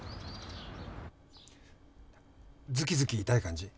ズキズキ痛い感じ？